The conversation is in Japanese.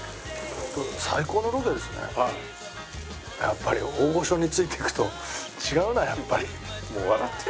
やっぱり大御所についていくと違うなやっぱり。